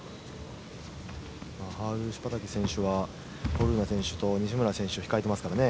ハールシュパタキ選手はホルーナ選手と西村選手を控えてますね